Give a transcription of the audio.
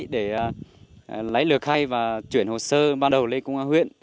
để lấy lừa khay và chuyển hồ sơ ban đầu lấy công an huyện